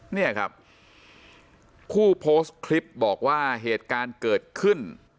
เนี่ยครับผู้โพสต์คลิปบอกว่าเหตุการณ์เกิดขึ้น